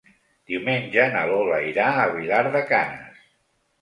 Diumenge na Lola irà a Vilar de Canes.